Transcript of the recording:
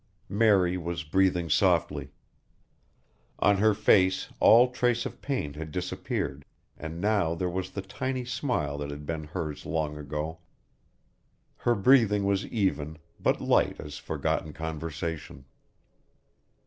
Mary was breathing softly. On her face all trace of pain had disappeared and now there was the tiny smile that had been hers long ago. Her breathing was even, but light as forgotten conversation.